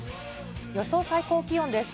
予想最高気温です。